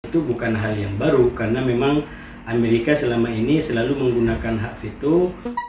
itu bukan hal yang baru karena memang amerika selama ini selalu menggunakan hak fitur